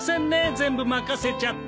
全部任せちゃって。